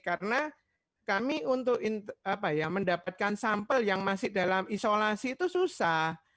karena kami untuk mendapatkan sampel yang masih dalam isolasi itu susah